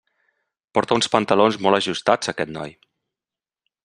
Porta uns pantalons molt ajustats, aquest noi.